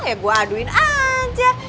ya gue aduin aja